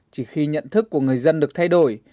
chỉ khi nhận thức của người dân được thay đổi